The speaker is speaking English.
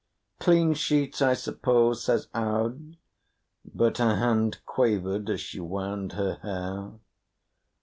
"Clean sheets, I suppose," says Aud, but her hand quavered as she wound her hair.